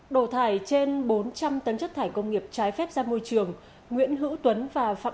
đổ thải trên bốn trăm linh tấn chất thải công nghiệp trái phép ra môi trường nguyễn hữu tuấn và phạm